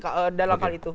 dalam hal itu